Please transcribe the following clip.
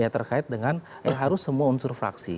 terkait dengan harus semua unsur fraksi